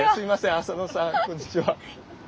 浅野さんこんにちは。